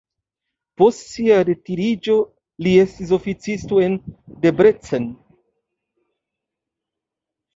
Post sia retiriĝo li estis oficisto en Debrecen.